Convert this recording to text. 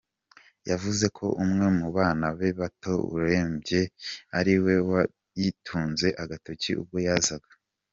Yavuze ko umwe mu bana be bato urembye ariwe wayitunze agatoki ubwo yazaga.